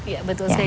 ya betul sekali